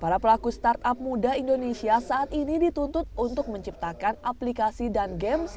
para pelaku startup muda indonesia saat ini dituntut untuk menciptakan aplikasi dan games